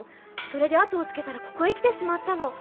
それで後をつけたらここへ来てしまったの。